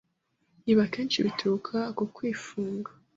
Ibi akenshi bituruka ku kwifunga